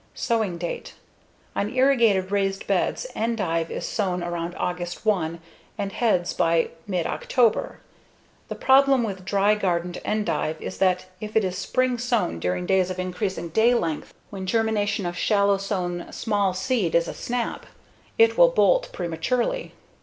Sowing date: On irrigated raised beds endive is sown around August 1 and heads by mid October. The problem with dry gardened endive is that if it is spring sown during days of increasing daylength when germination of shallow sown small seed is a snap, it will bolt prematurely.